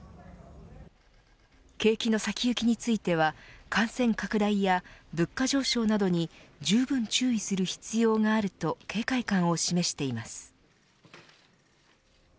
景気の先行きについては感染拡大や物価上昇などにじゅうぶん注意する必要があると警戒感を示しています。